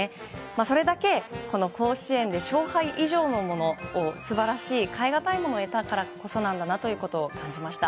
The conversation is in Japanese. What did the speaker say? それだけ甲子園で勝敗以上のもの素晴らしい代えがたいものを得たからこそなんだなということを感じました。